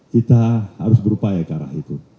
kita harus berupaya ke arah itu